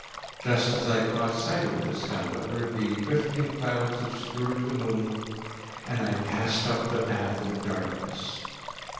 Just as I caught sight of this, however, the drifting clouds obscured the moon, and I passed up the path in darkness.